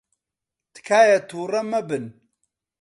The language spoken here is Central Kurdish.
تکایە تووڕە مەبن.